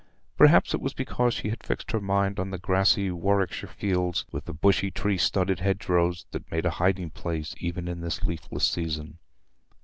Perhaps it was because she had fixed her mind on the grassy Warwickshire fields, with the bushy tree studded hedgerows that made a hiding place even in this leafless season.